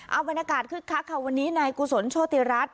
เอาบรรยากาศคึกคักค่ะวันนี้นายกุศลโชติรัฐ